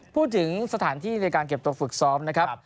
พูดถึงสถานที่ในการเก็บตัวฝึกซ้อมนะครับ